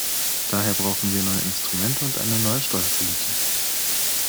Daher brauchen wir neue Instrumente und eine neue Steuerpolitik.